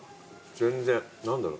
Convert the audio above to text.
全然何だろ。